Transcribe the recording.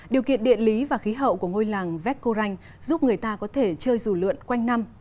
điều kiện địa lý và khí hậu của ngôi làng vecco ranh giúp người ta có thể chơi dù lượn quanh năm